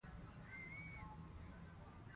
صحت ته اهمیت ورکړي.